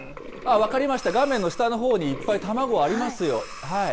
分かりました、画面の下のほうにいっぱいありますよ。